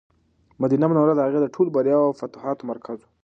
مدینه منوره د هغوی د ټولو بریاوو او فتوحاتو مرکز و.